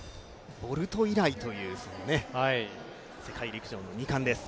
ボルト以来という世界陸上の２冠です。